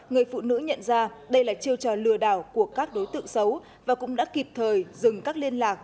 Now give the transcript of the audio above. người phụ nữ nhận ra đây là chiêu trò lừa đảo của các đối tượng xấu và cũng đã kịp thời dừng các liên lạc